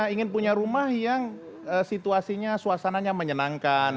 ingin punya rumah yang situasinya suasananya menyenangkan